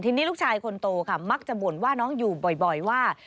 ทีนี้ลูกชายคนโตค่ะมักจะบ่นว่าน้องอยู่บ่อยว่า